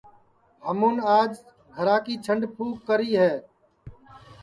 آج ہمون گھرا کی جھڈؔ پُھوک کری ہے